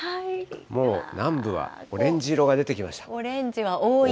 もう南部はオレンジ色が出てきました。